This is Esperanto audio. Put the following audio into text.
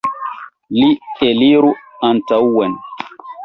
Li eliru antaŭen!